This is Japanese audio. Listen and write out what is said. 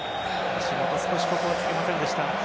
足元少しここはつけませんでした。